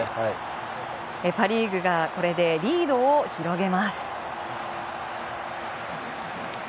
パ・リーグがこれでリードを広げます。